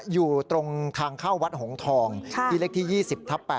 อยู่ตรงทางเข้าวัดหงทองที่เลขที่๒๐ทับ๘